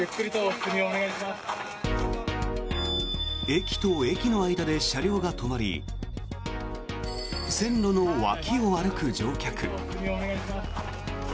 駅と駅の間で車両が止まり線路の脇を歩く乗客。